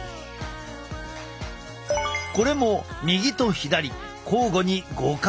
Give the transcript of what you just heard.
これも右と左交互に５回行う。